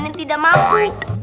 yang tidak mampu